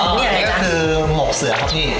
นี่ก็คือหมวกเสือครับพี่